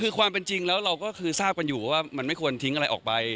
คือความเป็นจริงแล้วเราก็คือทราบกันอยู่ว่ามันไม่ควรทิ้งอะไรออกไป